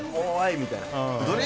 みたいな。